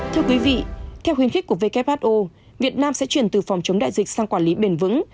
thưa quý vị theo khuyến khích của who việt nam sẽ chuyển từ phòng chống đại dịch sang quản lý bền vững